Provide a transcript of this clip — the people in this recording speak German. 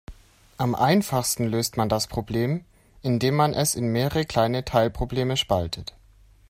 Am einfachsten löst man das Problem, indem man es in mehrere kleine Teilprobleme spaltet.